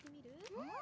うん！